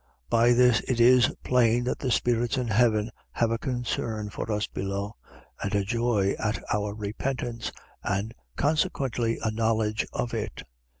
. .By this it is plain that the spirits in heaven have a concern for us below, and a joy at our repentance and consequently a knowledge of it.